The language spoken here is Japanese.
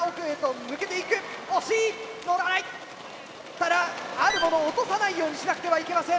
ただあるものを落とさないようにしなくてはいけません